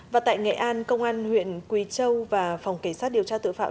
và tại nghệ an công an huyện quý châu và phòng cảnh sát điều tra tự phạm